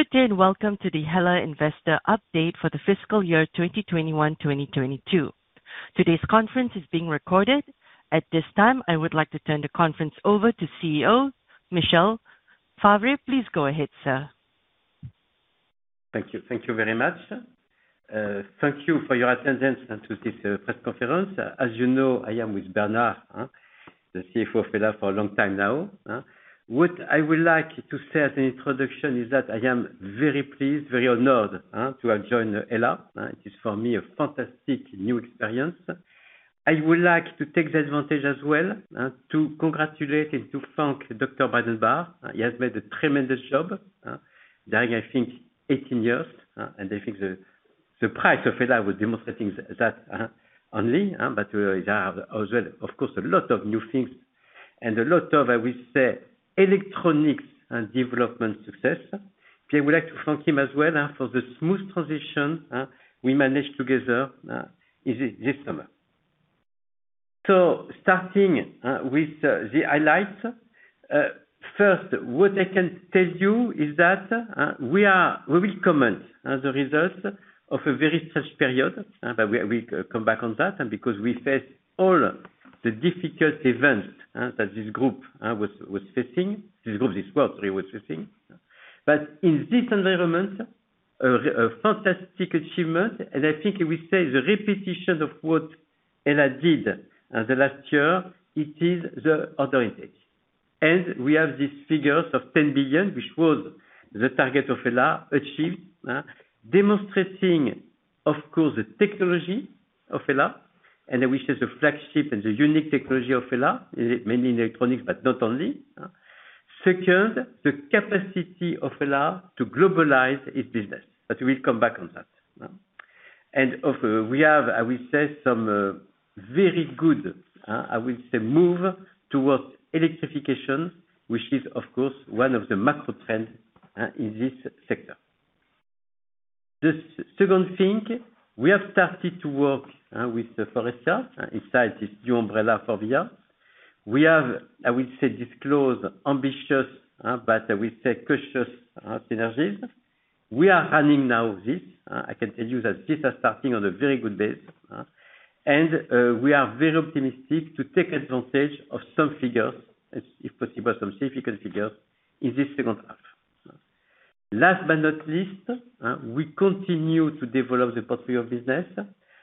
Good day, and welcome to the HELLA Investor Update for the fiscal year 2021, 2022. Today's conference is being recorded. At this time, I would like to turn the conference over to CEO Michel Favre. Please go ahead, sir. Thank you. Thank you very much. Thank you for your attendance and to this press conference. As you know, I am with Bernard, the CFO of HELLA for a long time now. What I would like to say as an introduction is that I am very pleased, very honored, to have joined HELLA, it is for me a fantastic new experience. I would like to take the advantage as well, to congratulate and to thank Dr. Breidenbach. He has made a tremendous job, during I think 18 years, and I think the price of HELLA was demonstrating that, only, but there are also of course, a lot of new things and a lot of, I will say, electronics and development success. Okay, I would like to thank him as well for the smooth transition we managed together over this summer. Starting with the highlights first, what I can tell you is that we will comment on the results of a very tough period, but we come back on that and because we faced all the difficult events that this group was facing, this world really was facing. In this environment, a fantastic achievement, and I think we see the repetition of what HELLA did last year; it is the order intake. We have these figures of 10 billion, which was the target of HELLA achieved, demonstrating of course the technology of HELLA, and which is the flagship and the unique technology of HELLA, mainly in electronics, but not only. Second, the capacity of HELLA to globalize its business. We'll come back on that. Of course we have, I will say some very good, I will say move towards electrification, which is of course one of the macro trends in this sector. The second thing, we have started to work with Faurecia, inside this new umbrella for the year. We have, I will say, disclosed ambitious, but we say cautious, synergies. We are running now this, I can tell you that this are starting on a very good base. We are very optimistic to take advantage of some figures as is possible, some significant figures in this H2. Last but not least, we continue to develop the portfolio business.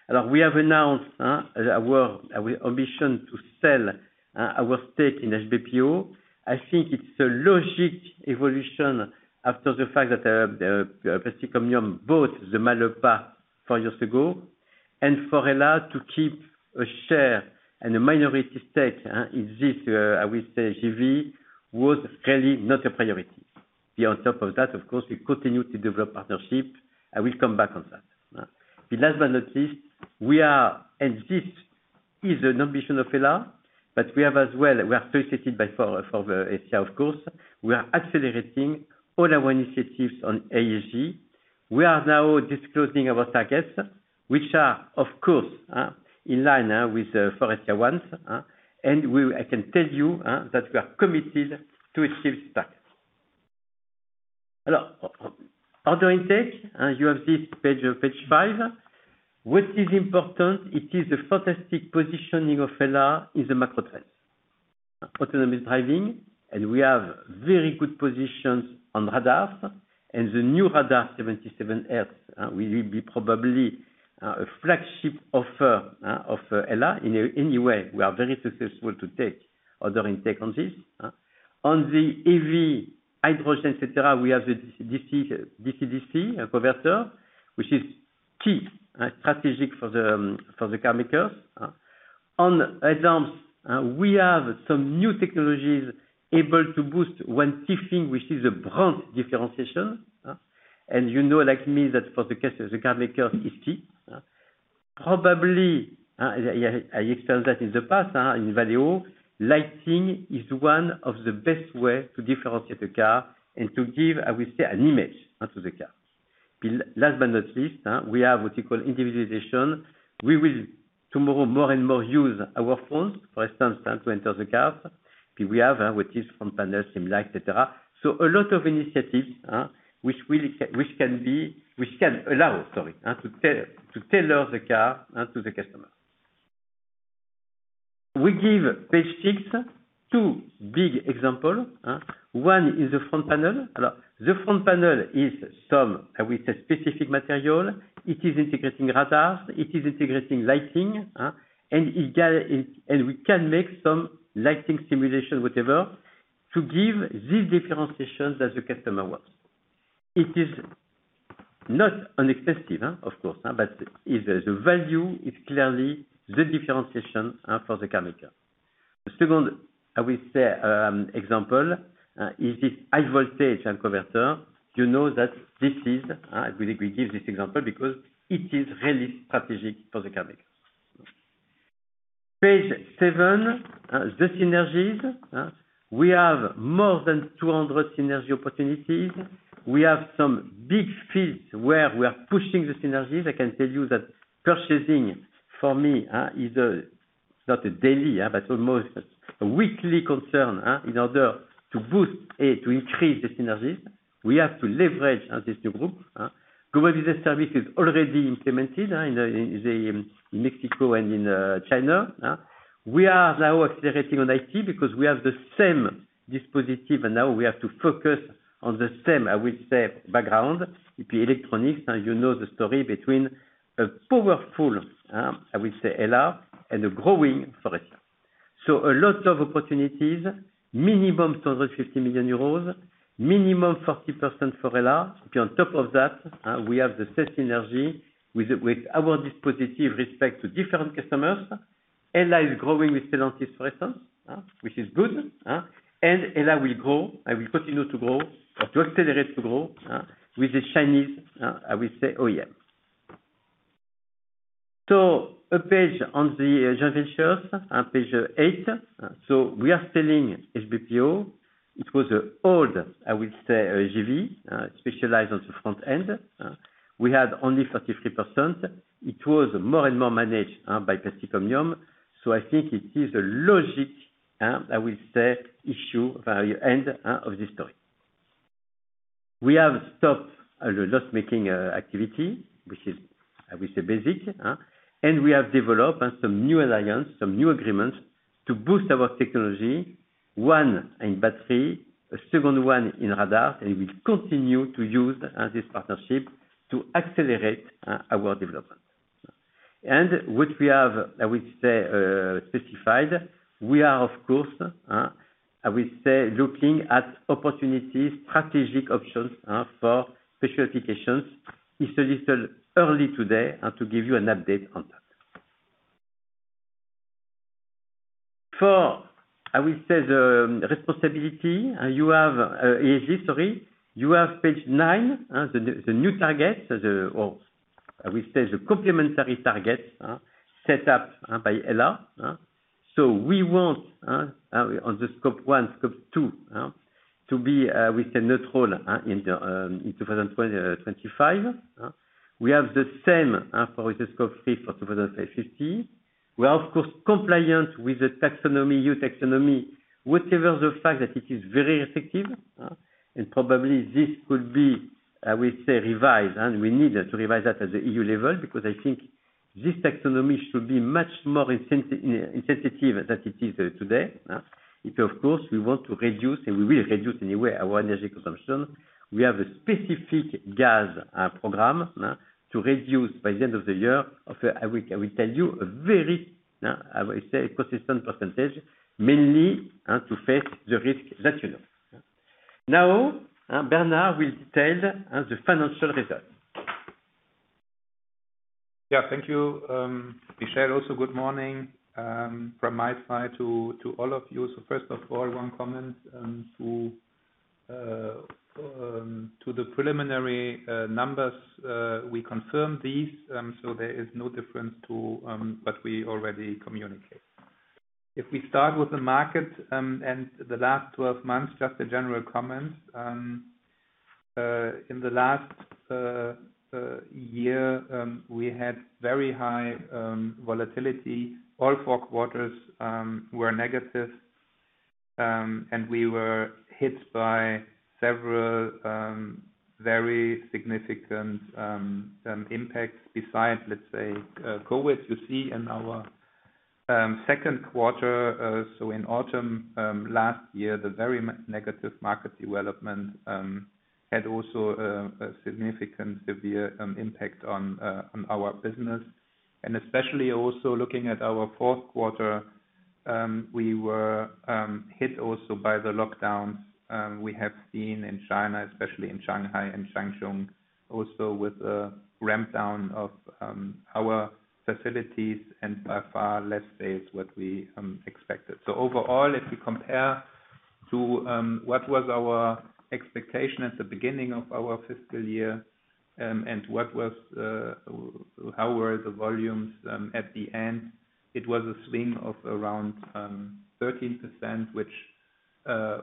We have announced our ambition to sell our stake in HBPO. I think it's a logical evolution after the fact that Plastic Omnium bought the Mahle-Behr four years ago, and for HELLA to keep a share and a minority stake in this JV was really not a priority. On top of that, of course, we continue to develop partnership. I will come back on that. Last but not least, we are, and this is an ambition of HELLA, but we have as well, we are facilitated by FORVIA, for the Faurecia of course, we are accelerating all our initiatives on ESG. We are now disclosing our targets, which are of course in line with the Faurecia ones, and I can tell you that we are committed to achieve targets. Order intake, you have this page 5. What is important, it is a fantastic positioning of HELLA in the macro trends. Autonomous driving, and we have very good positions on radars and the new radar 77 GHz will be probably a flagship offer of HELLA. Anyway, we are very successful to take order intake on this. On the EV hydrogen, et cetera, we have the DC-DC converter, which is key strategic for the car makers. As examples, we have some new technologies able to boost one key thing, which is a brand differentiation, and you know, like me, that for the case of the car makers is key. Probably, I explained that in the past, in Valeo, lighting is one of the best way to differentiate a car and to give, I will say an image, to the car. Last but not least, we have what you call individualization. We will tomorrow more and more use our phones, for instance, to enter the cars. We have what is Front Phygital Shield, etc. A lot of initiatives which really can allow, sorry, to tailor the car to the customers. On page six, two big example, one is the Front Phygital Shield. The Front Phygital Shield is some specific material. It is integrating radars, it is integrating lighting, and we can make some lighting simulation, whatever, to give these differentiations that the customer wants. It is not inexpensive, of course, but the value is clearly the differentiation for the car maker. The second example is this high-voltage converter. You know that we give this example because it is really strategic for the car maker. Page seven, the synergies. We have more than 200 synergy opportunities. We have some big fields where we are pushing the synergies. I can tell you that purchasing for me is not a daily, but almost a weekly concern in order to boost it, to increase the synergies we have to leverage as this new group. Global Business Service is already implemented in Mexico and in China. We are now accelerating on IT because we have the same dispositive and now we have to focus on the same, I will say background in Electronics, you know the story between a powerful HELLA and a growing Faurecia. A lot of opportunities, minimum 250 million euros, minimum 40% for HELLA. On top of that, we have the same synergy with our dispositive respect to different customers. HELLA is growing, for instance, which is good, and HELLA will grow and will continue to grow or to accelerate to grow with the Chinese, I will say, OEM. A page on the joint ventures on page 8. We are selling HBPO. It was old, I will say, JV specialized on the front-end. We had only 33%. It was more and more managed by Plastic Omnium. I think it is a logical issue by end of this story. We have stopped a loss-making activity, which is basic, and we have developed some new alliances, some new agreements to boost our technology. One in battery, a second one in radar, and we will continue to use this partnership to accelerate our development. What we have, I will say, specified, we are of course, I will say looking at opportunities, strategic options, for Special Applications. It's a little early today to give you an update on that. I will say the responsibility, you have ESG, sorry. You have page nine, the new target, the or I will say the complementary target, set up by HELLA. We want on the Scope one, Scope two to be, we say net zero in the in 2025. We have the same for the Scope three for 2050. We are of course compliant with the taxonomy, EU taxonomy, whatever the fact that it is very effective, and probably this could be, I will say revised, and we need to revise that at the EU level, because I think this taxonomy should be much more insensitive as it is today. If of course, we want to reduce, and we will reduce anyway our energy consumption. We have a specific gas program to reduce by the end of the year. I will tell you a very, I will say consistent percentage, mainly, to face the risk that you know. Now, Bernard will detail the financial result. Yeah, thank you, Michel. Also good morning from my side to all of you. First of all, one comment to the preliminary numbers. We confirm these, so there is no difference to what we already communicate. If we start with the market and the last 12 months, just a general comment. In the last year, we had very high volatility. All four quarters were negative, and we were hit by several very significant impacts besides, let's say, COVID. You see in our Q2, so in autumn last year, the very negative market development had also a significantly severe impact on our business. Especially also looking at our Q4, we were hit also by the lockdowns we have seen in China, especially in Shanghai and Shenzhen, also with a ramp down of our facilities and by far less sales what we expected. Overall, if you compare to what was our expectation at the beginning of our fiscal year and what was how were the volumes at the end, it was a swing of around 13%, which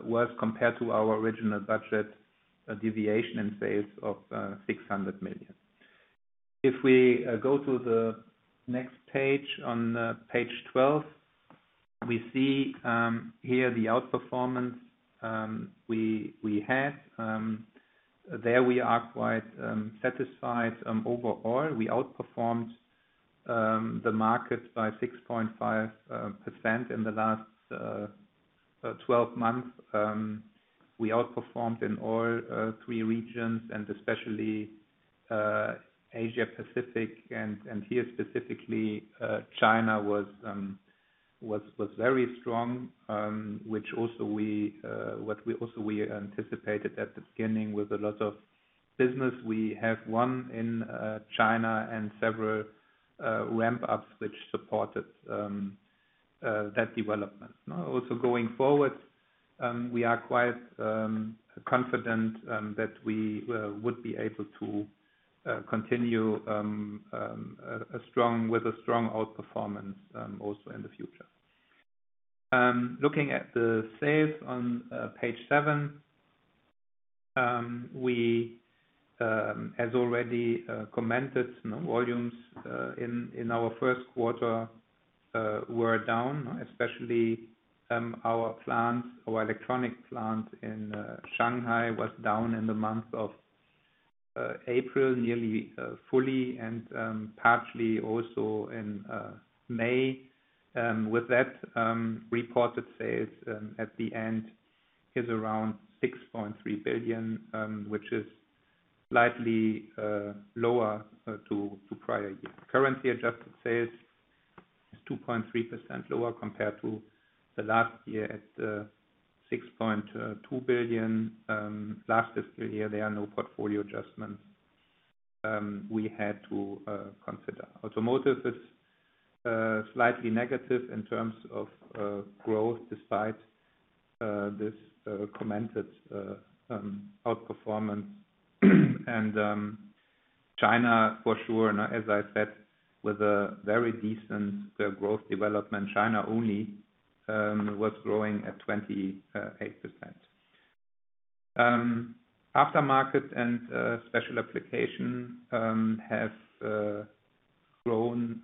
was compared to our original budget, a deviation in sales of 600 million. If we go to the next page, on page 12, we see here the outperformance we had. There we are quite satisfied. Overall, we outperformed the market by 6.5% in the last 12 months. We outperformed in all three regions and especially Asia-Pacific, and here specifically China was very strong, which we also anticipated at the beginning with a lot of business. We have won in China and several ramp ups which supported that development. Also going forward, we are quite confident that we would be able to continue a strong outperformance also in the future. Looking at the sales on page seven. We, as already commented, you know, volumes in our Q1 were down, especially our plant, our electronic plant in Shanghai was down in the month of April, nearly fully and partially also in May. With that, reported sales at the end is around 6.3 billion, which is slightly lower to prior year. Currency adjusted sales is 2.3% lower compared to the last year at 6.2 billion last fiscal year. There are no portfolio adjustments we had to consider. Automotive is slightly negative in terms of growth despite this commented outperformance. China for sure, and as I said, with a very decent growth development. China only was growing at 28%. Aftermarket and Special Applications have grown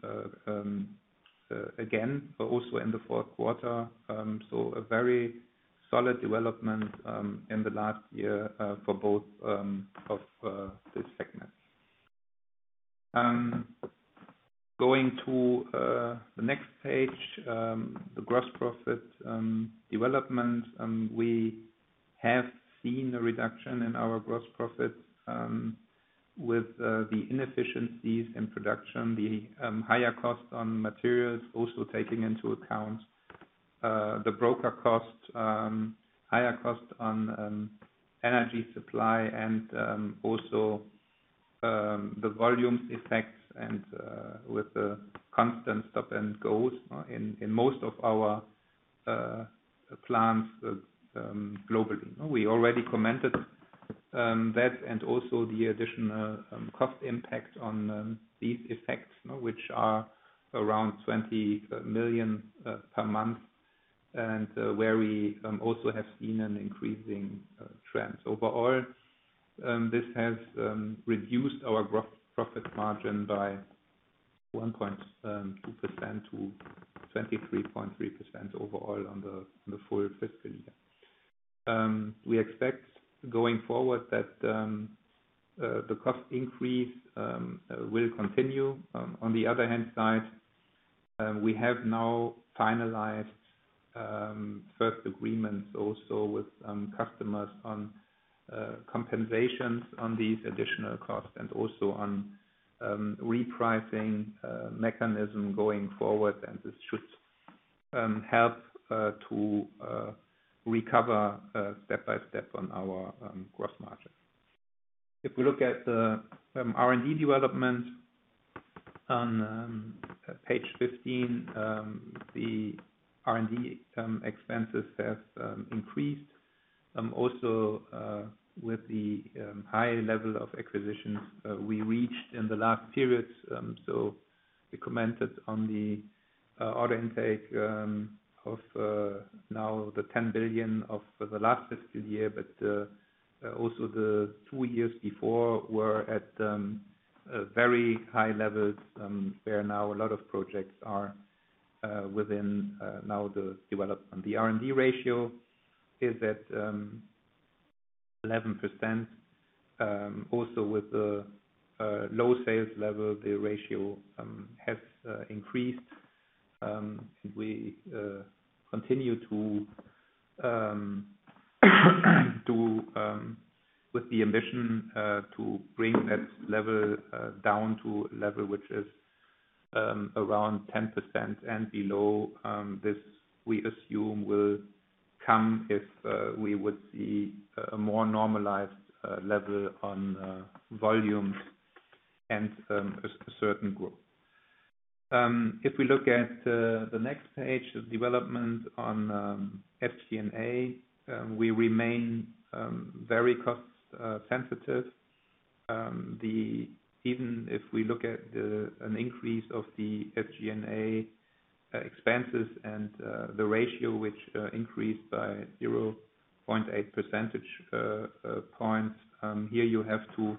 again, but also in the Q4. A very solid development in the last year for both of this segment. Going to the next page, the gross profit development. We have seen a reduction in our gross profit with the inefficiencies in production, the higher cost on materials, also taking into account the broker costs, higher cost on energy supply and also the volumes effects and with the constant stop and go in most of our plants globally. We already commented that and also the additional cost impact on these effects, you know, which are around 20 million per month, and where we also have seen an increasing trend. Overall, this has reduced our gross profit margin by 1.2% to 23.3% overall on the full fiscal year. We expect going forward that the cost increase will continue. On the other side, we have now finalized first agreements also with customers on compensations on these additional costs and also on repricing mechanism going forward. This should help to recover step by step on our gross margin. If we look at the R&D development on page 15, the R&D expenses have increased also with the high level of acquisitions we reached in the last periods. We commented on the order intake of now the 10 billion of the last fiscal year, but also the two years before were at a very high levels, where now a lot of projects are within now the development. The R&D ratio is at 11%. Also with the low sales level, the ratio has increased. We continue with the ambition to bring that level down to a level which is around 10% and below. This we assume will come if we would see a more normalized level on volumes and a certain group. If we look at the next page, the development on SG&A, we remain very cost sensitive. Even if we look at an increase of the SG&A expenses and the ratio which increased by 0.8 percentage points, here you have to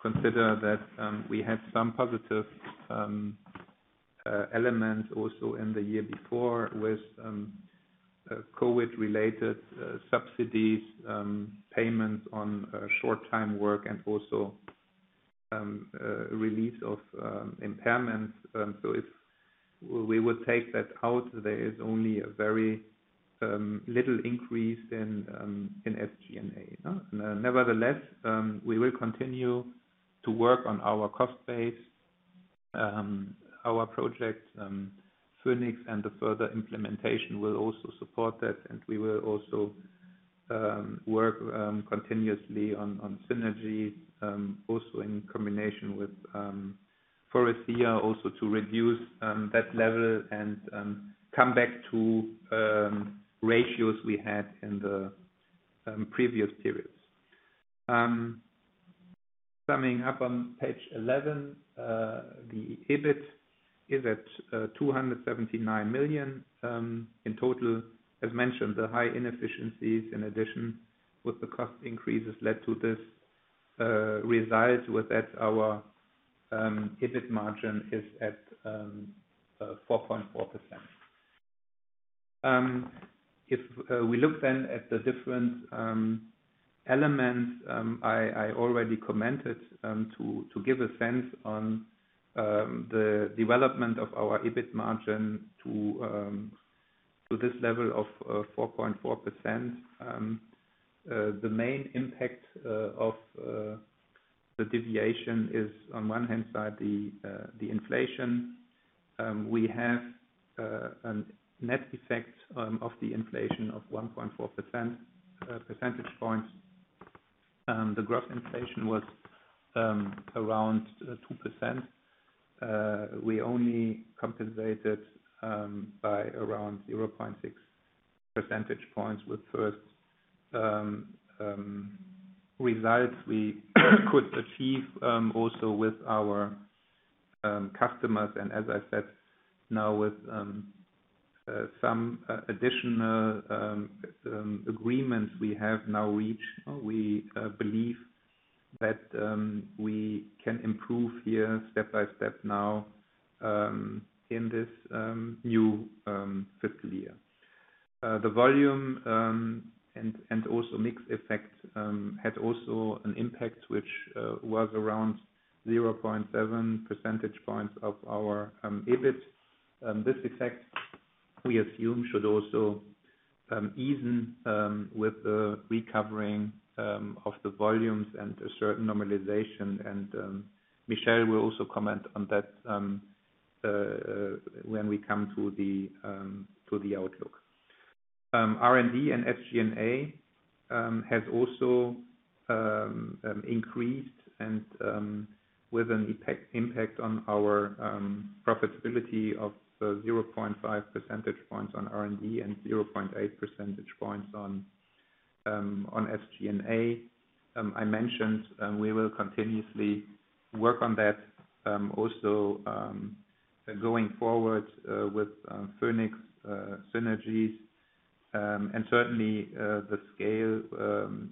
consider that we had some positive elements also in the year before with COVID-related subsidies, payments on short time work and also release of impairments. If we would take that out, there is only a very little increase in SG&A. Nevertheless, we will continue to work on our cost base. Our project Phoenix and the further implementation will also support that. We will also work continuously on synergy also in combination with Faurecia also to reduce that level and come back to ratios we had in the previous periods. Summing up on page 11, the EBIT is at 279 million in total. As mentioned, the high inefficiencies in addition to the cost increases led to this result with that our EBIT margin is at 4.4%. If we look then at the different elements, I already commented to give a sense on the development of our EBIT margin to this level of 4.4%. The main impact of the deviation is on one hand side, the inflation. We have a net effect of the inflation of 1.4 percentage points. The gross inflation was around 2%. We only compensated by around 0.6 percentage points with first results we could achieve also with our customers. As I said now with some additional agreements we have now reached, we believe that we can improve here step by step now in this new fiscal year. The volume and also mix effect had also an impact which was around 0.7 percentage points of our EBIT. This effect, we assume should also even with the recovering of the volumes and a certain normalization, and Michel will also comment on that when we come to the outlook. R&D and SG&A has also increased and with an impact on our profitability of 0.5 percentage points on R&D and 0.8 percentage points on SG&A. I mentioned we will continuously work on that also going forward with Phoenix synergies. Certainly, the scale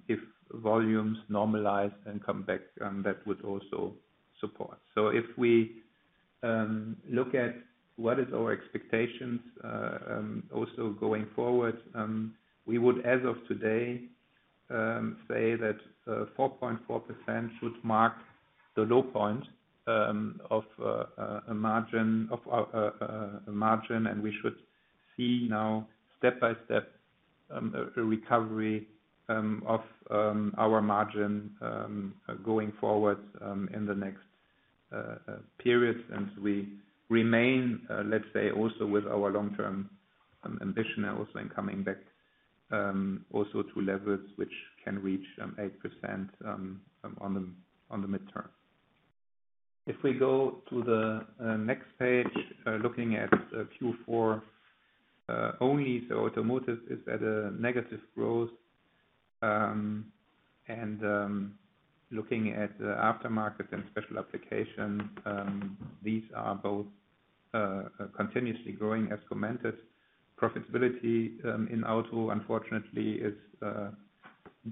if volumes normalize and come back that would also support. If we look at what is our expectations also going forward, we would as of today say that 4.4% should mark the low point of a margin, and we should see now step by step a recovery of our margin going forward in the next period. We remain let's say also with our long-term ambition also in coming back also to levels which can reach 8% on the midterm. If we go to the next page, looking at Q4, only the automotive is at a negative growth. Looking at the Aftermarket and Special Applications, these are both continuously growing as commented. Profitability in auto unfortunately is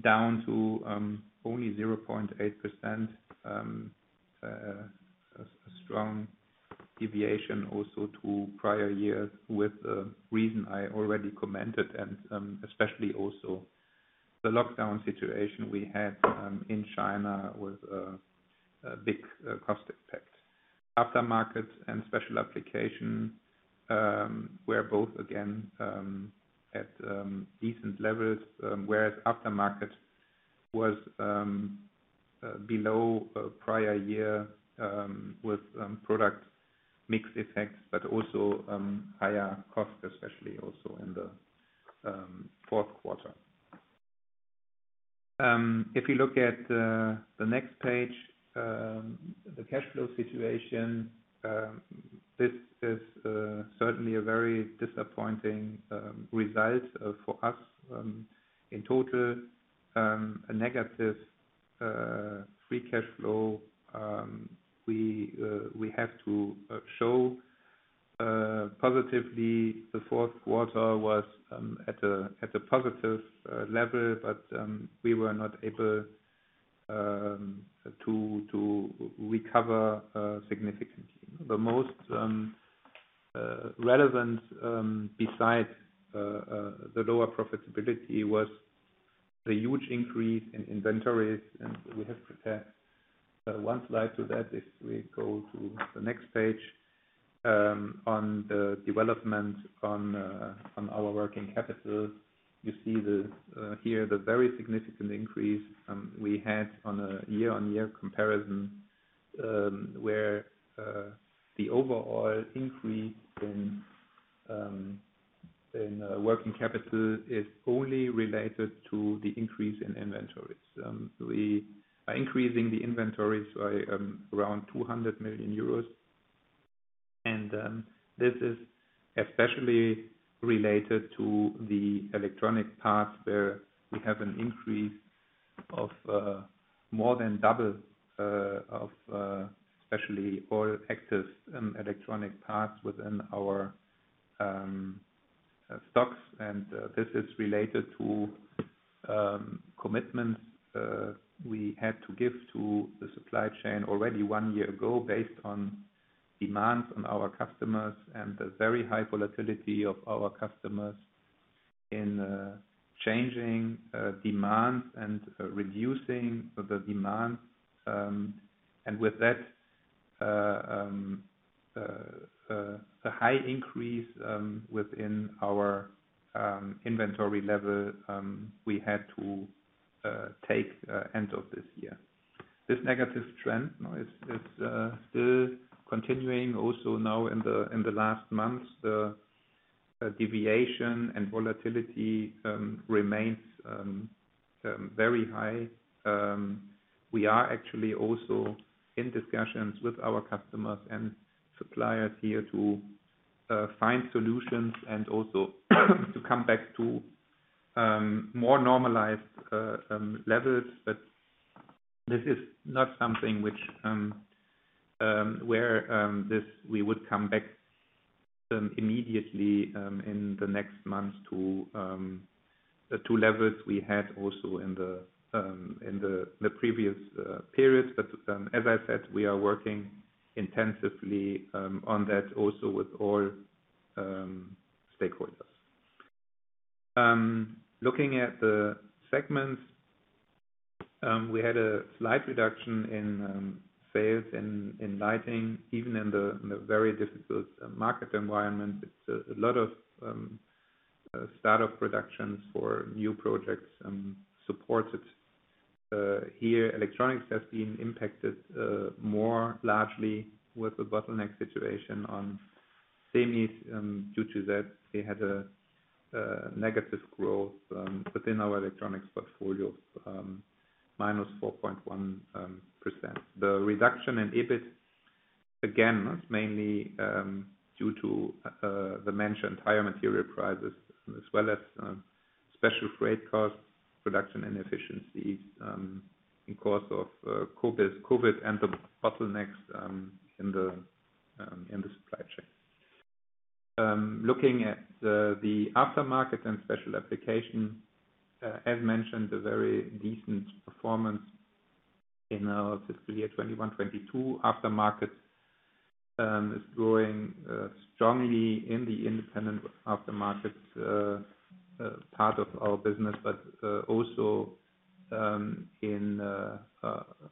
down to only 0.8%, a strong deviation also to prior years with reason I already commented and especially also the lockdown situation we had in China with a big cost impact. Aftermarket and Special Applications were both again at decent levels, whereas Aftermarket was below prior year with product mix effects, but also higher cost especially also in the Q4. If you look at the next page, the cash flow situation, this is certainly a very disappointing result for us. In total, a negative free cash flow. We have to show positively the Q4 was at a positive level, but we were not able to recover significantly. The most relevant besides the lower profitability was the huge increase in inventories, and we have prepared one slide to that if we go to the next page. On the development of our working capital, you see here the very significant increase we had on a year-on-year comparison, where the overall increase in working capital is only related to the increase in inventories. We are increasing the inventories by around 200 million euros. This is especially related to the electronic parts where we have an increase of more than double of especially all active electronic parts within our stocks. This is related to commitments we had to give to the supply chain already one year ago based on demands on our customers and the very high volatility of our customers in changing demands and reducing the demand. With that, the high increase within our inventory level we had to take end of this year. This negative trend now is still continuing also now in the last months. The deviation and volatility remains very high. We are actually also in discussions with our customers and suppliers here to find solutions and also to come back to more normalized levels. This is not something which we would come back immediately in the next months to the two levels we had also in the previous periods. As I said, we are working intensively on that also with all stakeholders. Looking at the segments, we had a slight reduction in sales in Lighting, even in the very difficult market environment. It's a lot of start of productions for new projects supported. Here, Electronics has been impacted more largely with the bottleneck situation on semi. Due to that, we had a negative growth within our Electronics portfolio, minus 4.1%. The reduction in EBIT, again, was mainly due to the mentioned higher material prices, as well as special freight costs, production inefficiencies in course of COVID and the bottlenecks in the supply chain. Looking at the aftermarket and Special Applications, as mentioned, a very decent performance in our fiscal year 2021-2022 aftermarket is growing strongly in the independent aftermarket part of our business. Also, in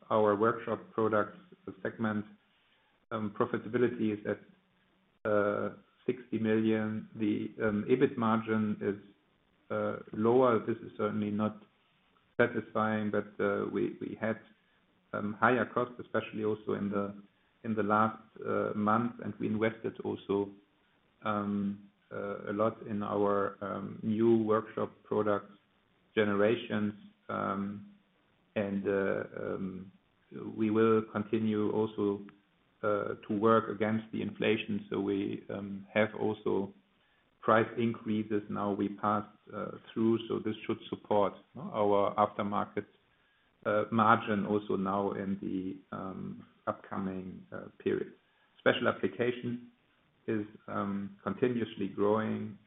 our Workshop Solutions segment, profitability is at 60 million. The EBIT margin is lower. This is certainly not satisfying, but we had higher costs, especially also in the last month. We invested also a lot in our new Workshop Solutions generations. We will continue also to work against the inflation. We have also price increases now we passed through, so this should support our aftermarket margin also now in the upcoming periods. Special Applications is continuously growing,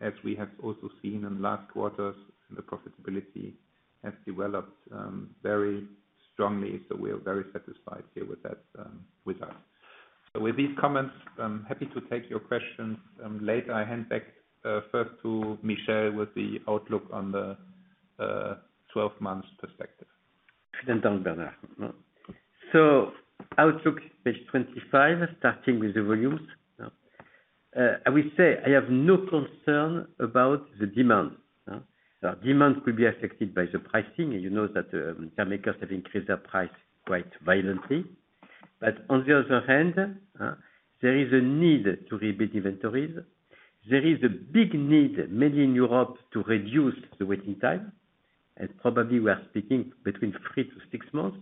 as we have also seen in last quarters, and the profitability has developed very strongly. We are very satisfied here with that, with us. With these comments, I'm happy to take your questions later. I hand back first to Michel with the outlook on the 12 months perspective. Outlook page 25, starting with the volumes. I will say I have no concern about the demand. Demand will be affected by the pricing, and you know that, car makers have increased their price quite violently. On the other hand, there is a need to rebuild inventories. There is a big need, mainly in Europe, to reduce the waiting time, and probably we are speaking between 3-6 months.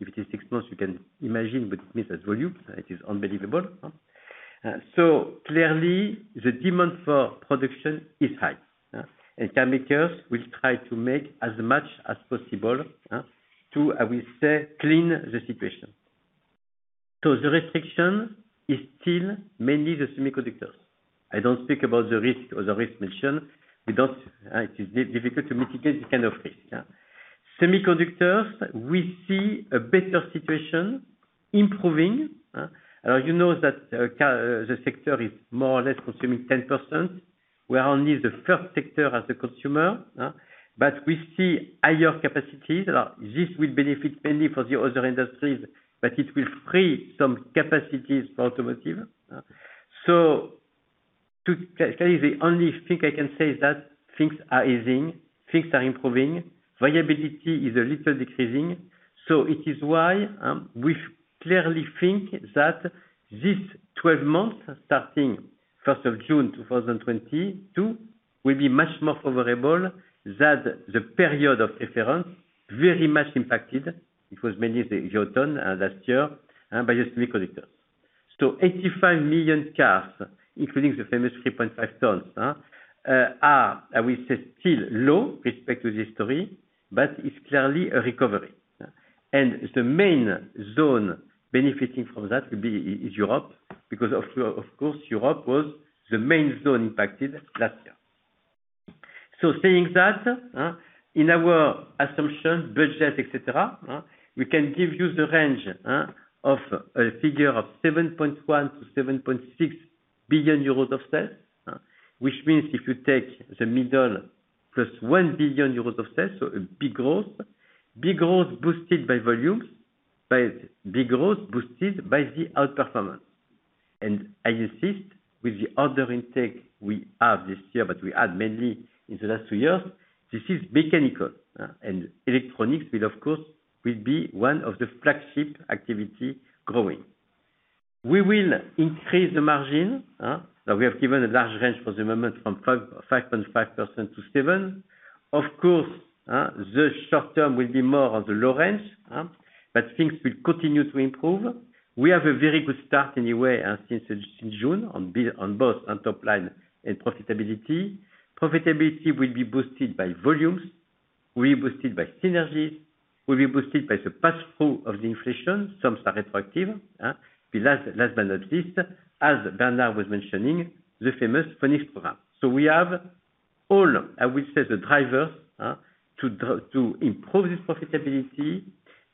If it is 6 months, you can imagine what it means as volumes. It is unbelievable. Clearly the demand for production is high. Car makers will try to make as much as possible, to, I will say, clear the situation. The restriction is still mainly the semiconductors. I don't speak about the risk or the risks mentioned. We don't, it is difficult to mitigate this kind of risk. Semiconductors, we see a better situation improving, and you know that, the sector is more or less consuming 10%. We are only the first sector as a consumer, but we see higher capacities. This will benefit mainly for the other industries, but it will free some capacities for automotive. To kind of the only thing I can say is that things are easing, things are improving, volatility is a little decreasing. It is why we clearly think that this 12 months starting first of June 2022 will be much more favorable than the period of reference, very much impacted. It was mainly last year by the other three sectors. 85 million cars, including the famous 3.5 tons, are, I will say, still low with respect to the history, but it's clearly a recovery. The main zone benefiting from that will be Europe, because of course, Europe was the main zone impacted last year. Saying that, in our assumption, budget, et cetera, we can give you the range of a figure of 7.1 billion-7.6 billion euros of sales. Which means if you take the middle plus 1 billion euros of sales, a big growth boosted by volumes, by big growth boosted by the outperformance. I insist with the other intake we have this year, but we had mainly in the last two years, this is mechanical. Electronics will of course be one of the flagship activity growing. We will increase the margin. Now we have given a large range for the moment from 5.5% to 7%. Of course, the short term will be more on the low range, but things will continue to improve. We have a very good start anyway, and since June building on both top line and profitability. Profitability will be boosted by volumes, will be boosted by synergies, will be boosted by the pass-through of the inflation. Some are retroactive, but last but not least, as Bernard was mentioning the famous Phoenix program. We have all, I will say, the drivers to improve this profitability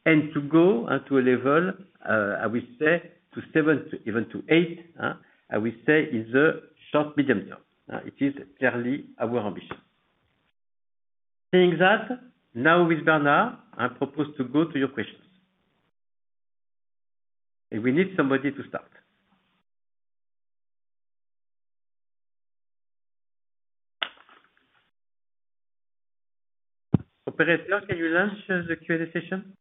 and to go onto a level, I will say, to 7% to even 8%, I will say, in the short, medium term. It is clearly our ambition. Saying that, now with Bernard, I propose to go to your questions. We need somebody to start. Operator, can you launch the Q&A session?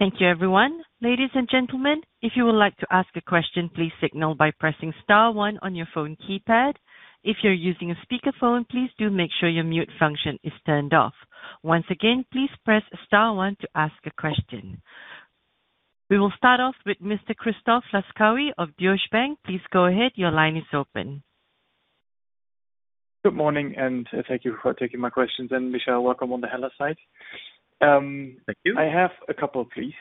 Thank you everyone. Ladies and gentlemen, if you would like to ask a question, please signal by pressing star one on your phone keypad. If you're using a speaker phone, please do make sure your mute function is turned off. Once again, please press star one to ask a question. We will start off with Mr. Christoph Laskawy of Deutsche Bank. Please go ahead. Your line is open. Good morning, and thank you for taking my questions. Michel, welcome on the HELLA side. Thank you. I have a couple please.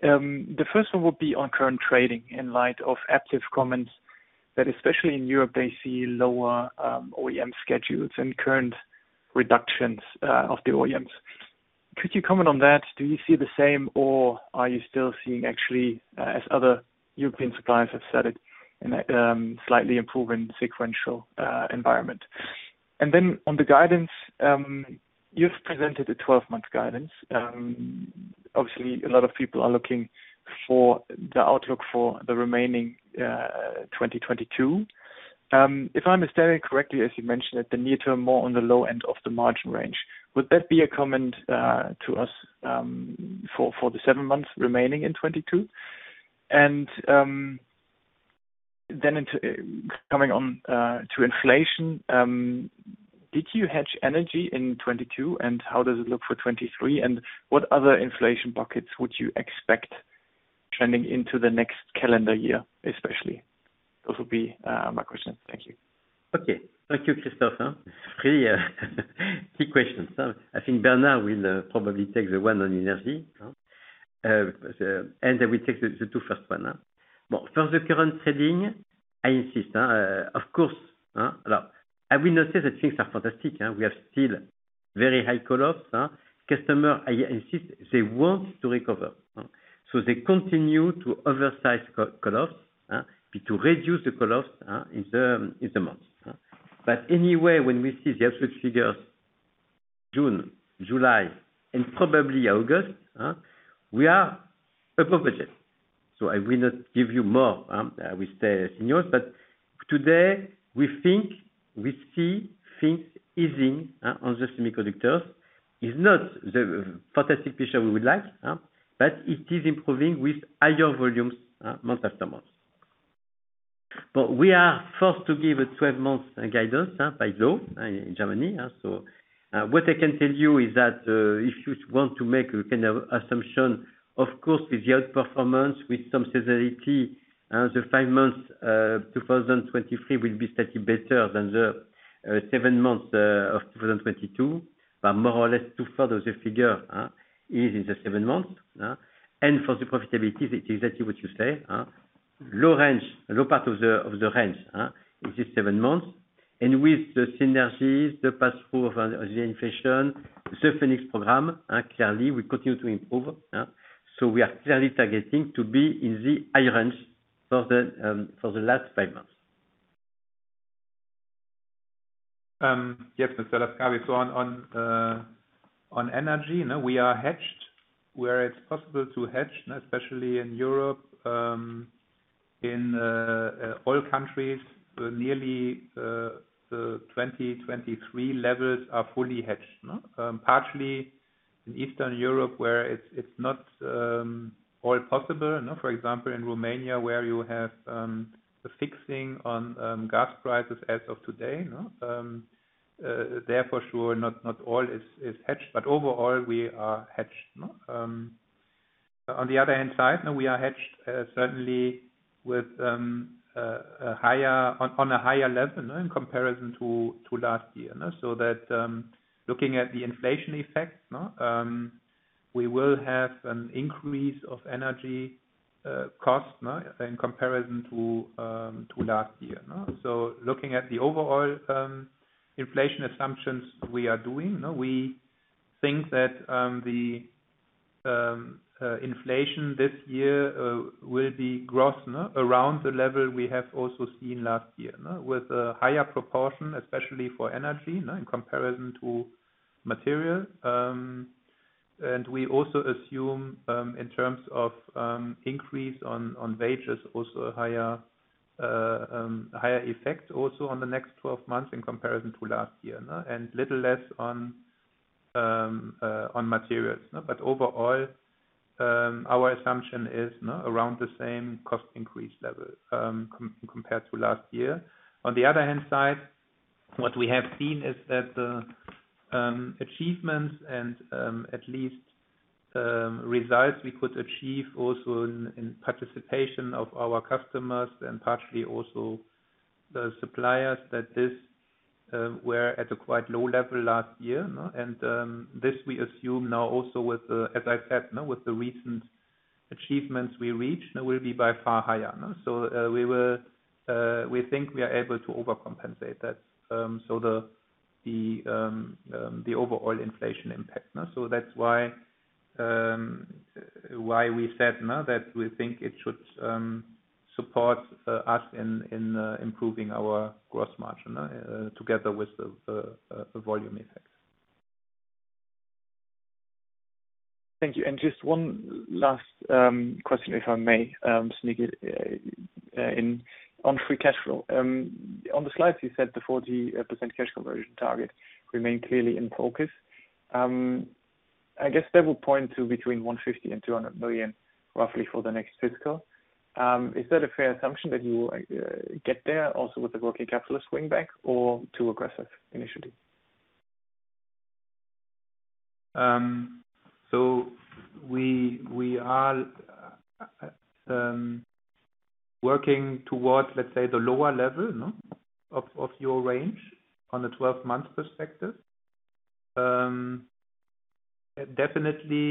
The first one will be on current trading in light of active comments that especially in Europe, they see lower OEM schedules and current reductions of the OEMs. Could you comment on that? Do you see the same, or are you still seeing actually, as other European suppliers have said it in a slightly improving sequential environment? Then on the guidance, you've presented a 12-month guidance. Obviously a lot of people are looking for the outlook for the remaining 2022. If I'm understanding correctly, as you mentioned at the near term, more on the low end of the margin range, would that be a comment to us for the seven months remaining in 2022? Coming on to inflation, did you hedge energy in 2022? How does it look for 2023? What other inflation buckets would you expect trending into the next calendar year, especially? Those would be my questions. Thank you. Okay. Thank you, Christoph Laskawy. Three questions. I think Bernard Schäferbarthold will probably take the one on energy. I will take the first two. Well, first the current trading, I insist. Of course, look, I will not say that things are fantastic. We are still very high call-offs. Customers insist they want to recover, so they continue to oversize call-offs to reduce the call-offs in the months. When we see the absolute figures for June, July, and probably August, we are above budget. I will not give you more. I will stay silent. Today we think we see things easing on the semiconductors. It's not the fantastic picture we would like, but it is improving with higher volumes, month after month. We are first to give a 12-month guidance by law in Germany so. What I can tell you is that, if you want to make a kind of assumption, of course with the outperformance with some seasonality, the five months, 2023 will be slightly better than the, seven months, of 2022. More or less two-thirds of the figure is in the seven months. For the profitability, it's exactly what you say, low range, low part of the range in the seven months. With the synergies, the pass-through of the inflation, the Phoenix program, clearly we continue to improve. We are clearly targeting to be in the high range for the last five months. Yes, Mr. Laskawi. On energy, you know, we are hedged where it's possible to hedge, and especially in Europe, in all countries nearly, the 2023 levels are fully hedged. Partially in Eastern Europe where it's not all possible, you know. For example, in Romania, you have a fixing on gas prices as of today, you know. There for sure, not all is hedged, but overall, we are hedged. On the other hand side, we are hedged certainly with a higher level in comparison to last year. That, looking at the inflation effects, no, we will have an increase of energy cost in comparison to last year. Looking at the overall inflation assumptions we are doing, we think that the inflation this year will be roughly around the level we have also seen last year with a higher proportion, especially for energy in comparison to material. We also assume in terms of increase on wages, also a higher effect also on the next 12 months in comparison to last year, and little less on materials. Overall, our assumption is around the same cost increase level compared to last year. On the other hand side, what we have seen is that the achievements and at least results we could achieve also in participation of our customers and partially also the suppliers that were at a quite low level last year. This we assume now also with the, as I said, with the recent achievements we reach will be by far higher. We will, we think we are able to overcompensate that, so the overall inflation impact. That's why we said now that we think it should support us in improving our gross margin, together with the volume effects. Thank you. Just one last question, if I may, sneak it in on free cash flow. On the slides, you said the 40% cash conversion target remain clearly in focus. I guess that would point to between 150 million and 200 million roughly for the next fiscal. Is that a fair assumption that you will get there also with the working capital swing back or too aggressive initially? We are working towards, let's say, the lower level of your range on a 12-month perspective. Definitely,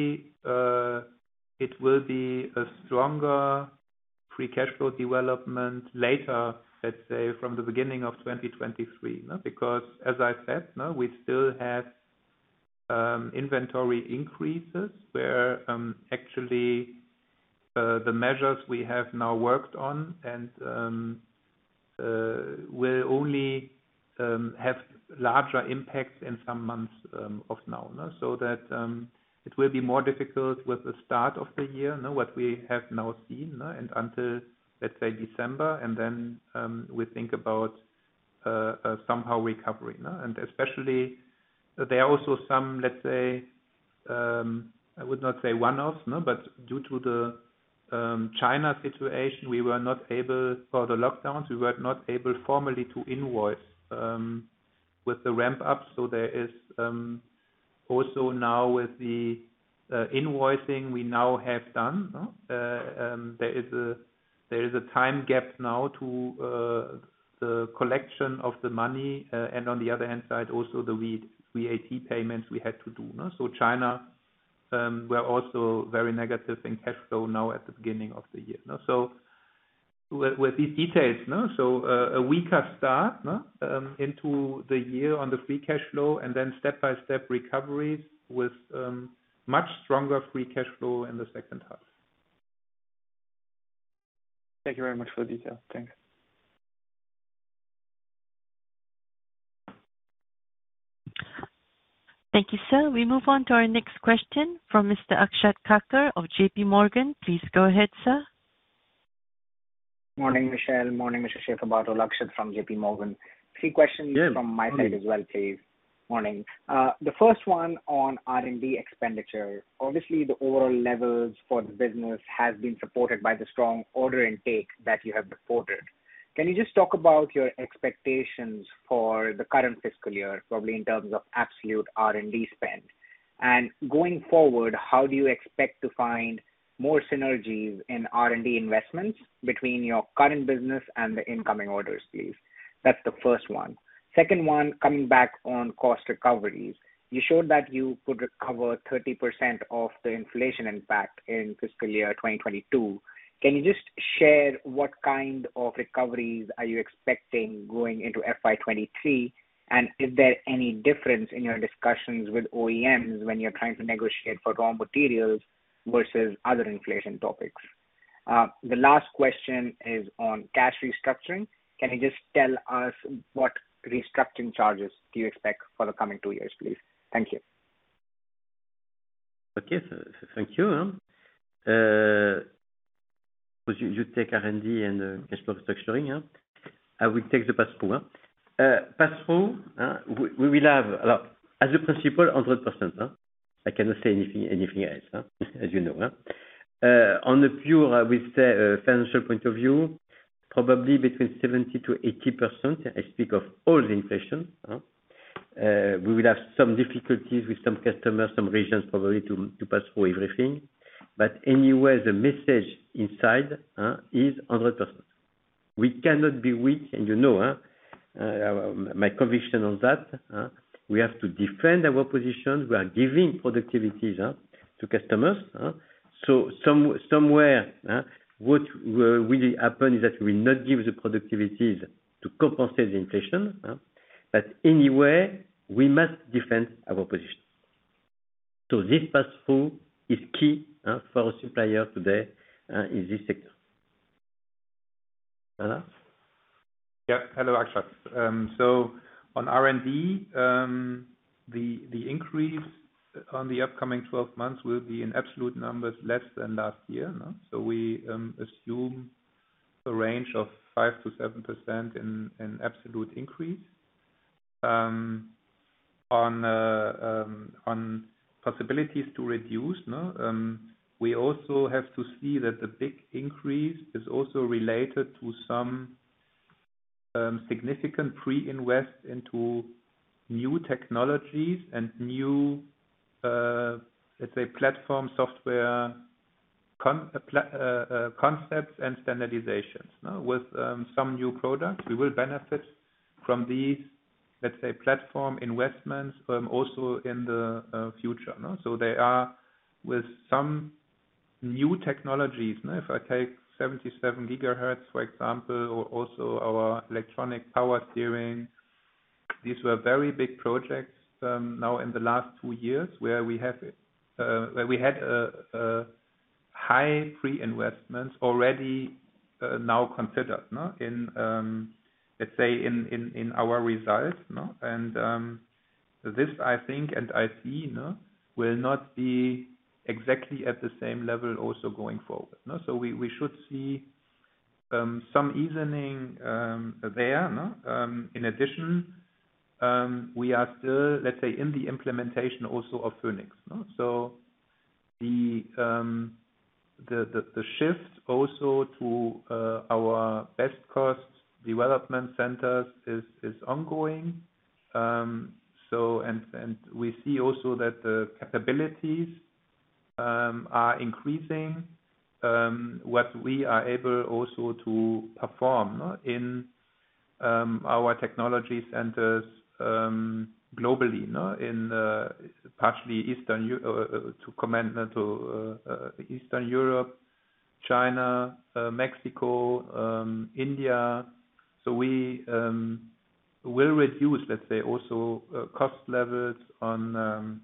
it will be a stronger free cash flow development later, let's say, from the beginning of 2023. Because as I said, we still have inventory increases where actually the measures we have now worked on and will only have larger impacts in some months from now. That it will be more difficult with the start of the year, no, what we have now seen, and until, let's say, December, and then we think about somehow recovering. Especially, there are also some, let's say, I would not say one-offs, but due to the China situation, we were not able for the lockdowns, we were not able formally to invoice with the ramp up. There is also now with the invoicing we now have done, there is a time gap now to the collection of the money, and on the other hand side, also the re-VAT payments we had to do. China were also very negative in cash flow now at the beginning of the year. With these details, a weaker start into the year on the free cash flow and then step-by-step recoveries with much stronger free cash flow in the H2. Thank you very much for the detail. Thanks. Thank you, sir. We move on to our next question from Mr. Akshat Kacker of JPMorgan. Please go ahead, sir. Morning, Michel. Morning, Mr. Schäferbarthold. Akshat JPMorgan. three questions from my side as well, please. Morning. The first one on R&D expenditure. Obviously, the overall levels for the business has been supported by the strong order intake that you have reported. Can you just talk about your expectations for the current fiscal year, probably in terms of absolute R&D spend? Going forward, how do you expect to find more synergies in R&D investments between your current business and the incoming orders, please? That's the first one. Second one, coming back on cost recoveries. You showed that you could recover 30% of the inflation impact in fiscal year 2022. Can you just share what kind of recoveries are you expecting going into FY 2023? Is there any difference in your discussions with OEMs when you're trying to negotiate for raw materials versus other inflation topics? The last question is on cash restructuring. Can you just tell us what restructuring charges do you expect for the coming two years, please? Thank you. Okay. Thank you. You take R&D and cash flow structuring, yeah. I will take the pass through. Pass through, we will have as a principle 100%. I cannot say anything else, as you know. From a purely financial point of view, probably between 70%-80%, in spite of all the inflation. We will have some difficulties with some customers, some regions probably to pass through everything. Anyway, the message inside is 100%. We cannot be weak, and you know my conviction on that. We have to defend our position. We are giving productivities to customers. Somewhere what will really happen is that we will not give the productivities to compensate the inflation. Anyway, we must defend our position. This pass through is key, huh, for a supplier today, in this sector. Bernard Schäferbarthold? Yeah. Hello, Akshat. On R&D, the increase on the upcoming 12 months will be in absolute numbers less than last year. We assume a range of 5%-7% in absolute increase. On possibilities to reduce, no? We also have to see that the big increase is also related to some significant pre-invest into new technologies and new, let's say, platform software concepts and standardizations. With some new products, we will benefit from these, let's say, platform investments, also in the future. They are with some new technologies. If I take 77 GHz, for example, or also our Electronic Power Steering, these were very big projects now in the last two years where we had high pre-investments already now considered in, let's say, in our results, no? This, I think, and I see, no, will not be exactly at the same level also going forward. We should see some evening there. In addition, we are still, let's say, in the implementation also of Phoenix. The shift also to our best cost development centers is ongoing. We see also that the capabilities are increasing what we are able also to perform in our technology centers globally in partially Eastern Europe, China, Mexico, India. We will reduce, let's say, also cost levels on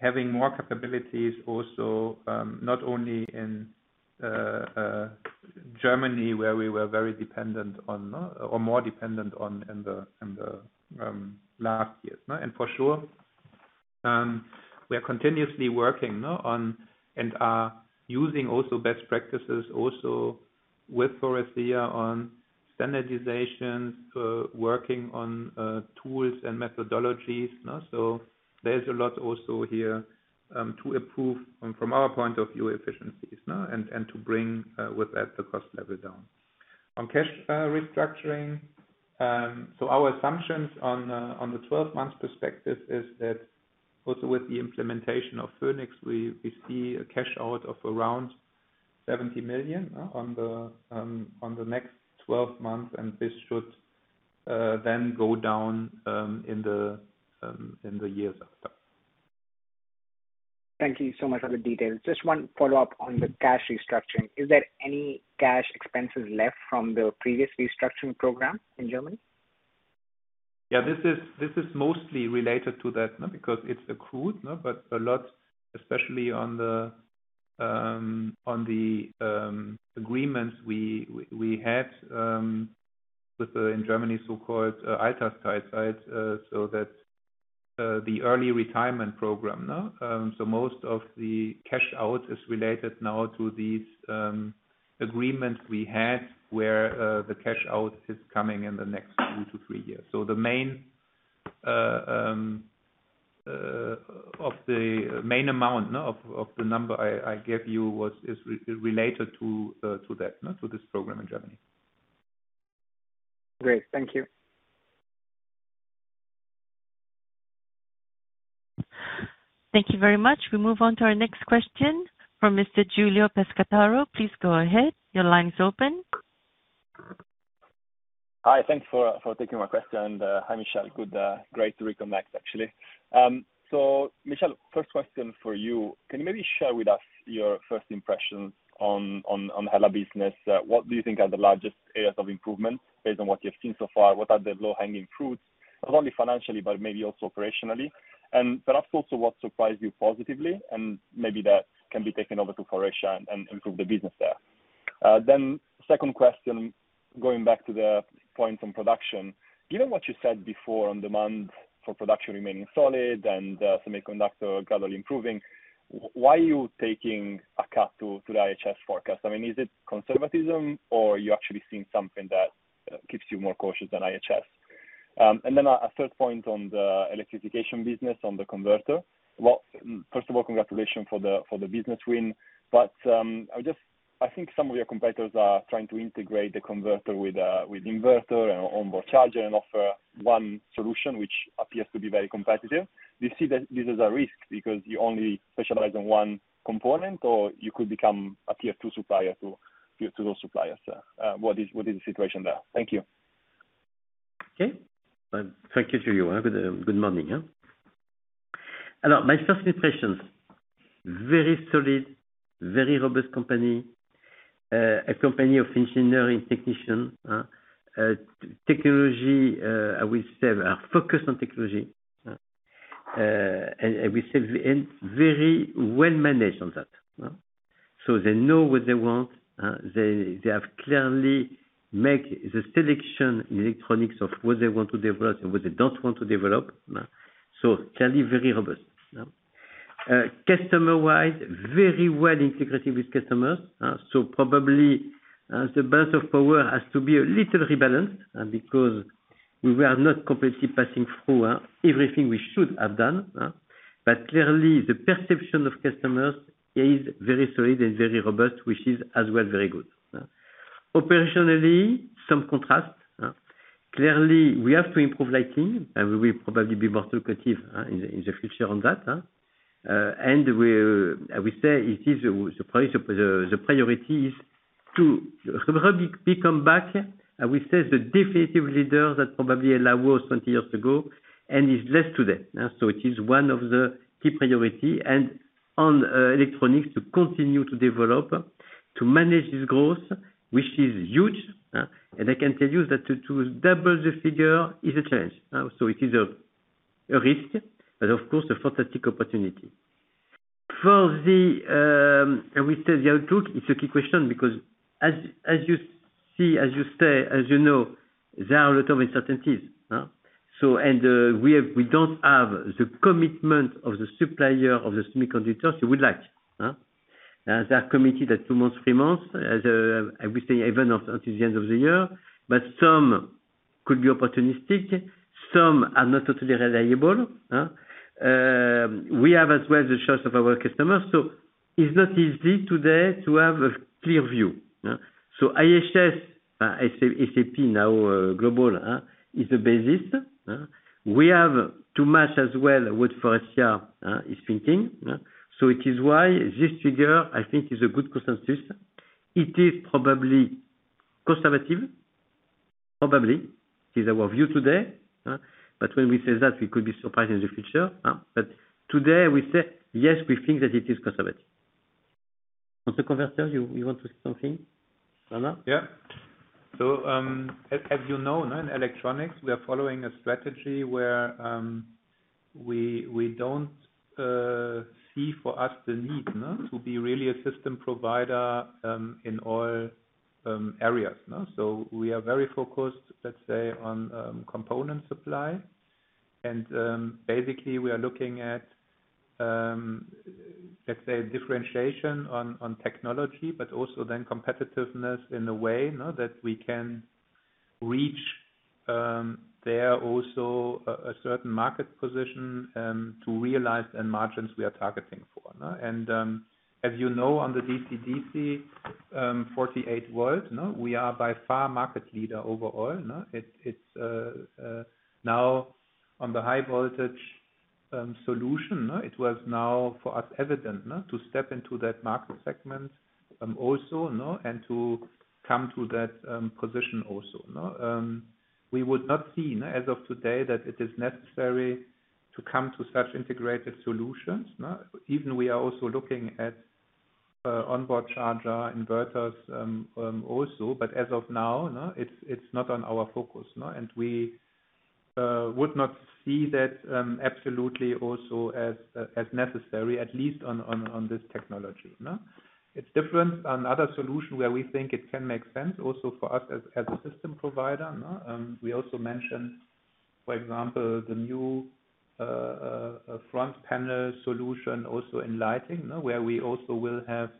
having more capabilities also not only in Germany, where we were very dependent on or more dependent on in the last years. For sure we are continuously working on and are using also best practices also with Faurecia on standardizations working on tools and methodologies. There's a lot also here to improve from our point of view, efficiencies and to bring with that the cost level down. On cash restructuring. Our assumptions on the 12 months perspective is that also with the implementation of Phoenix, we see a cash out of around 70 million on the next 12 months, and this should then go down in the years after. Thank you so much for the details. Just one follow-up on the cash restructuring. Is there any cash expenses left from the previous restructuring program in Germany? Yeah, this is mostly related to that because it's accrued, but a lot, especially on the agreements we had with them in Germany, so-called early retirement program. Most of the cash out is related now to these agreements we had where the cash out is coming in the next 2-3 years. The main amount of the number I gave you is related to that, to this program in Germany. Great. Thank you. Thank you very much. We move on to our next question from Mr. Giulio Pescatore. Please go ahead. Your line is open. Hi. Thanks for taking my question. Hi, Michel. Good, great to reconnect, actually. So Michel, first question for you. Can you maybe share with us your first impressions on HELLA business? What do you think are the largest areas of improvement based on what you've seen so far? What are the low-hanging fruits, not only financially, but maybe also operationally? Perhaps also what surprised you positively, and maybe that can be taken over to Faurecia and improve the business there. Second question. Going back to the point on production, given what you said before on demand for production remaining solid and semiconductor gradually improving, why are you taking a cut to the IHS forecast? I mean, is it conservatism or are you actually seeing something that keeps you more cautious than IHS? A third point on the electrification business on the converter. Well, first of all, congratulations for the business win. I think some of your competitors are trying to integrate the converter with inverter and onboard charger and offer one solution which appears to be very competitive. Do you see that this is a risk because you only specialize in one component, or you could become a Tier 2 supplier to those suppliers? What is the situation there? Thank you. Okay, thank you, Giulio. Have a good morning. Now, my first impressions, very solid, very robust company. A company of engineering technician. Technology, I will say, are focused on technology. And very well managed on that. They know what they want. They have clearly make the selection in electronics of what they want to develop and what they don't want to develop. Clearly very robust. Customer wise, very well integrated with customers. Probably, the balance of power has to be a little rebalanced, because we were not completely passing through everything we should have done. Clearly the perception of customers is very solid and very robust, which is as well very good. Operationally, some contrast. Clearly, we have to improve Lighting and we will probably be more talkative in the future on that. I will say it is the priority to probably come back and we say the definitive leader that probably HELLA was twenty years ago and is less today. It is one of the key priority and on Electronics to continue to develop, to manage this growth, which is huge. I can tell you that to double the figure is a challenge. It is a risk, but of course a fantastic opportunity. For the outlook, it is a key question because as you see, as you say, as you know, there are a lot of uncertainties. We don't have the commitment of the supplier of the semiconductors we would like. As they are committed at 2 months, 3 months, as I will say, even until the end of the year. Some could be opportunistic, some are not totally reliable. We have as well the choice of our customers, so it's not easy today to have a clear view. IHS, S&P Global is the basis. We have to match as well what Faurecia is thinking. It is why this figure, I think, is a good consensus. It is probably conservative. Probably. It is our view today. When we say that, we could be surprised in the future. Today we say, "Yes, we think that it is conservative." On the converter, you want to say something, Bernard Schäferbarthold? Yeah. As you know now in Electronics, we are following a strategy where we don't see for us the need to be really a system provider in all areas. We are very focused, let's say, on component supply. Basically we are looking at, let's say, differentiation on technology, but also then competitiveness in a way, you know, that we can reach there also a certain market position to realize the margins we are targeting for. As you know, on the DC-DC 48-volt, you know, we are by far market leader overall. It's now on the high voltage solution, it was now for us evident to step into that market segment, also, you know, and to come to that position also. We would not see, as of today, that it is necessary to come to such integrated solutions? Even we are also looking at onboard charger inverters also. As of now, it's not on our focus. We would not see that absolutely also as necessary, at least on this technology. It's different. Another solution where we think it can make sense also for us as a system provider. We also mentioned, for example, the new front panel solution also in Lighting, where we also will have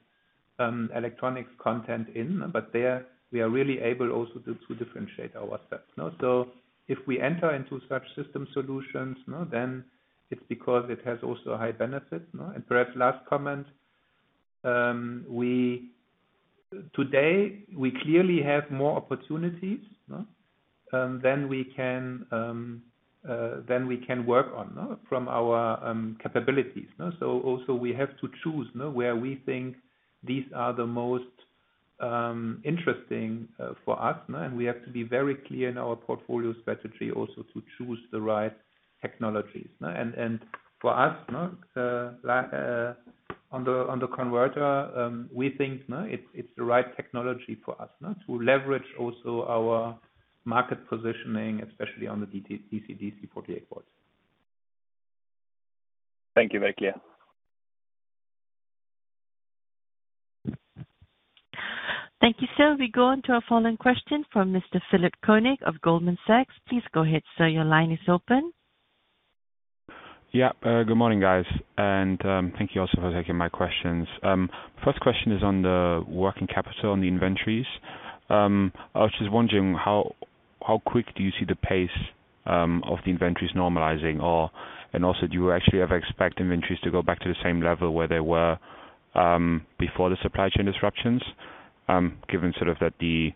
Electronics content in. There we are really able to differentiate ourselves. If we enter into such system solutions, you know, then it's because it has also a high benefit. Perhaps last comment. Today we clearly have more opportunities than we can work on, from our capabilities. We also have to choose where we think these are the most interesting for us. We have to be very clear in our portfolio strategy also to choose the right technologies. And for us, on the converter, we think it's the right technology for us to leverage also our market positioning, especially on the DC-DC 48 volts. Thank you. Very clear. Thank you, sir. We go on to our following question from Mr. Philipp König of Goldman Sachs. Please go ahead, sir. Your line is open. Yeah. Good morning, guys. Thank you also for taking my questions. First question is on the working capital on the inventories. I was just wondering how quick do you see the pace of the inventories normalizing and also, do you actually ever expect inventories to go back to the same level where they were before the supply chain disruptions, given sort of that the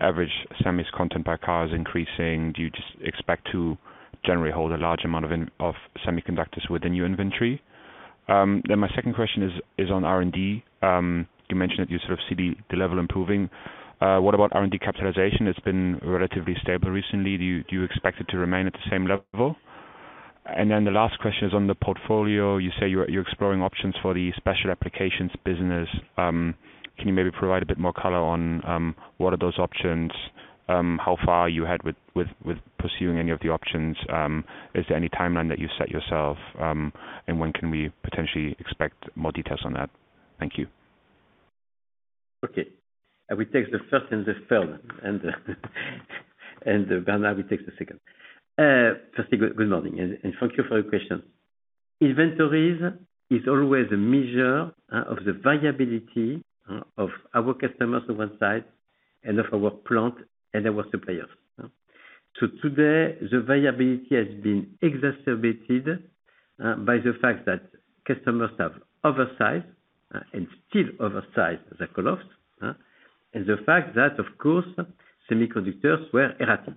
average semis content per car is increasing, do you just expect to generally hold a large amount of semiconductors within your inventory? My second question is on R&D. You mentioned that you sort of see the level improving. What about R&D capitalization? It's been relatively stable recently. Do you expect it to remain at the same level? The last question is on the portfolio. You say you're exploring options for the Special Applications business. Can you maybe provide a bit more color on what are those options? How far are you ahead with pursuing any of the options? Is there any timeline that you've set yourself? When can we potentially expect more details on that? Thank you. Okay. I will take the first and the third. Bernard will take the second. First, good morning and thank you for your question. Inventories is always a measure of the viability of our customers on one side and of our plant and our suppliers. Today, the viability has been exacerbated by the fact that customers have oversized and still oversized their call-offs and the fact that, of course, semiconductors were erratic.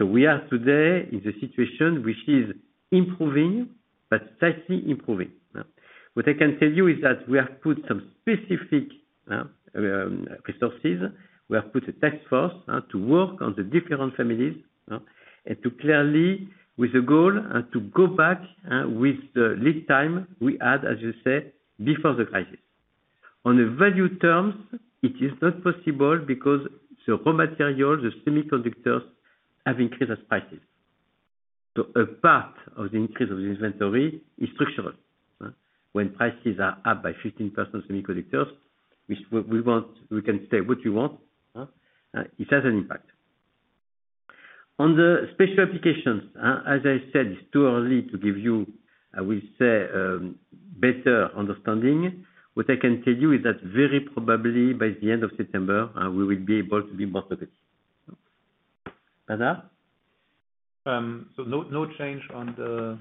We are today in the situation which is improving but slightly improving. What I can tell you is that we have put some specific resources. We have put a task force to work on the different families and to clearly with the goal to go back with the lead time we had, as you said, before the crisis. In value terms, it is not possible because the raw material, the semiconductors have increased prices. A part of the increase of the inventory is structural. When prices are up by 15% semiconductors, which we want, we can say what you want, it has an impact. On the Special Applications, as I said, it's too early to give you, I will say, better understanding. What I can tell you is that very probably by the end of September, we will be able to give more of it. Bernard? No change on the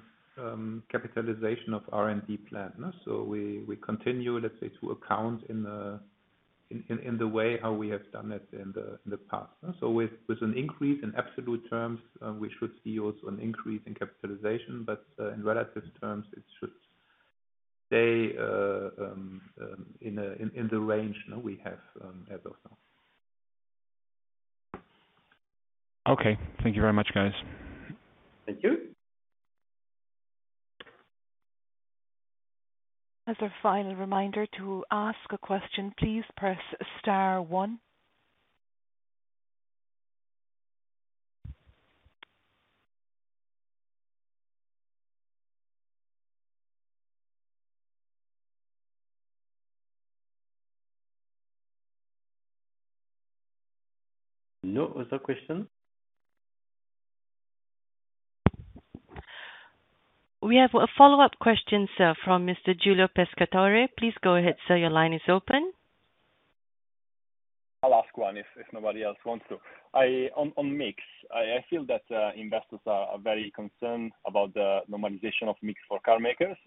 capitalization of R&D plan. We continue, let's say, to account in the way how we have done it in the past. With an increase in absolute terms, we should see also an increase in capitalization. In relative terms, it should stay in the range, you know, we have as of now. Okay. Thank you very much, guys. Thank you. As a final reminder, to ask a question, please press star one. No other question? We have a follow-up question, sir, from Mr. Giulio Pescatore. Please go ahead, sir. Your line is open. I'll ask one if nobody else wants to. On mix, I feel that investors are very concerned about the normalization of mix for car makers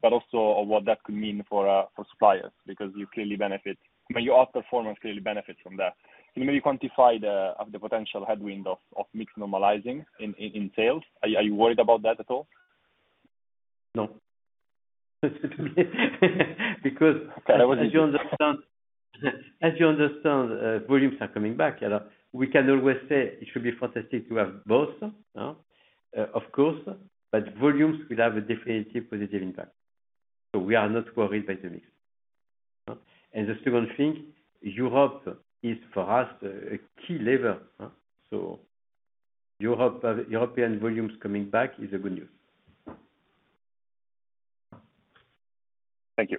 but also what that could mean for suppliers, because you clearly benefit. I mean, your outperformance clearly benefits from that. Can you maybe quantify the potential headwind of mix normalizing in sales? Are you worried about that at all? No. That was easy. As you understand, volumes are coming back. We can always say it should be fantastic to have both, of course, but volumes will have a definitive positive impact. We are not worried by the mix. The second thing, Europe is, for us, a key lever. Europe, European volumes coming back is a good news. Thank you.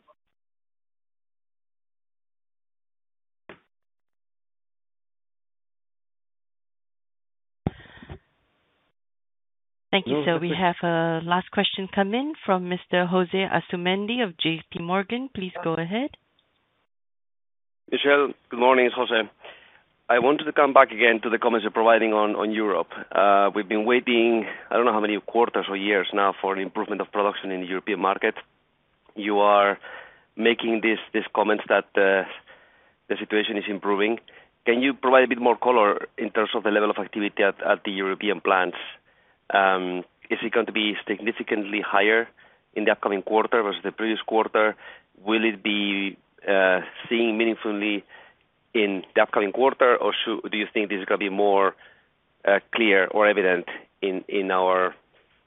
Thank you, sir. We have a last question come in from Mr. Jose Asumendi JPMorgan. please go ahead. Michel Favre, good morning. It's Jose Asumendi. I wanted to come back again to the comments you're providing on Europe. We've been waiting I don't know how many quarters or years now for an improvement of production in the European market. You are making these comments that the situation is improving. Can you provide a bit more color in terms of the level of activity at the European plants? Is it going to be significantly higher in the upcoming quarter versus the previous quarter? Will it be seen meaningfully in the upcoming quarter, or do you think this is gonna be more clear or evident in our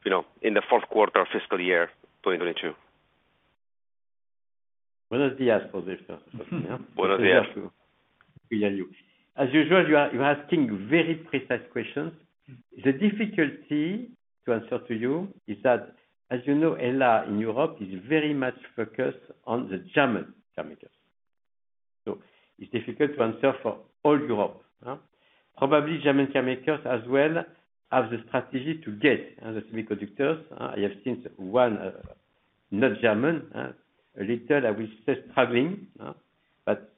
you know in the Q4 fiscal year 2022? [unintelligible] José. [unintelligible] As usual, you are asking very precise questions. The difficulty to answer to you is that, as you know, HELLA in Europe is very much focused on the German car makers. It's difficult to answer for all Europe. Probably German car makers as well have the strategy to get the semiconductors. I have seen one, not German, a little, I will say struggling, but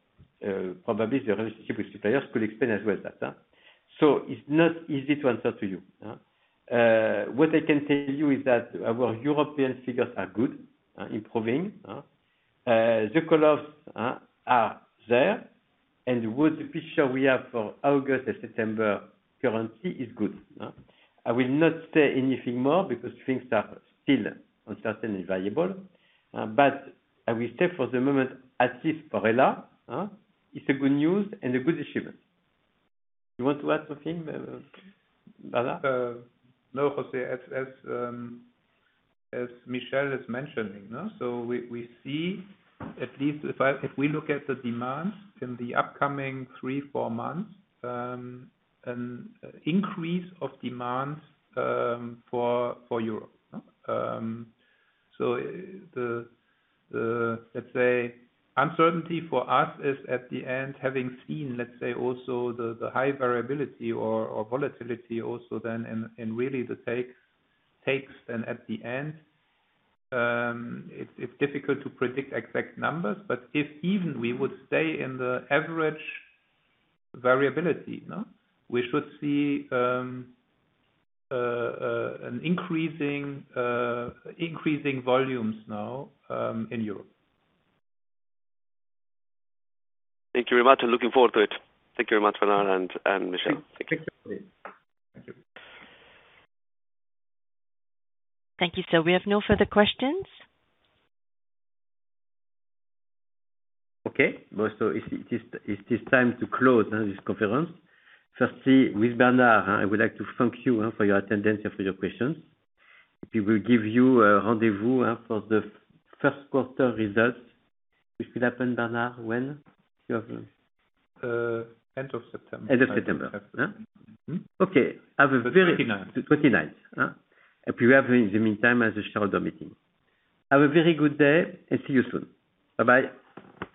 probably the relationship with suppliers could explain as well that. It's not easy to answer to you. What I can tell you is that our European figures are good, improving. The call-offs are there, and with the picture we have for August and September currency is good. I will not say anything more because things are still uncertain and variable, but I will say for the moment, as is for HELLA, it's a good news and a good achievement. You want to add something, Bernard? No, Jose. As Michel is mentioning, we see at least if we look at the demand in the upcoming 3-4 months, an increase of demand for Europe. Let's say, the uncertainty for us is at the end, having seen, let's say, also the high variability or volatility also then and really the takes and at the end, it's difficult to predict exact numbers. If even we would stay in the average variability, we should see an increasing volumes now in Europe. Thank you very much. Looking forward to it. Thank you very much, Bernard and Michel. Thank you. Thank you. Thank you, sir. We have no further questions. Okay. It is time to close this conference. Firstly, with Bernard, I would like to thank you for your attendance, after your questions. We will give you a rendezvous for the Q1 results, which will happen, Bernard, when? End of September. End of September? Mm-hmm. Okay. The 29th. The twenty-ninth. We have in the meantime a shareholder meeting. Have a very good day and see you soon. Bye bye.